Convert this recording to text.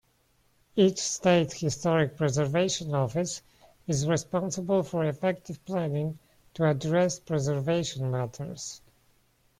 Each State Historic Preservation Office is responsible for effective planning to address preservation matters.